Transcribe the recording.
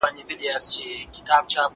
له شاګرد څخه باید د هغه د شعور پوښتنه وسي.